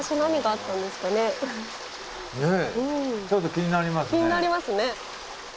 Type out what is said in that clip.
気になりますね。